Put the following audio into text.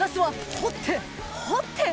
掘って！